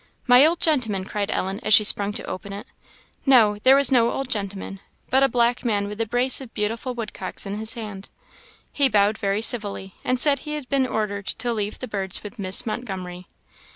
"My old gentleman!" cried Ellen, as she sprung to open it. No there was no old gentleman, but a black man with a brace of beautiful woodcocks in his hand. He bowed very civilly, and said he had been ordered to leave the birds with Miss Montgomery.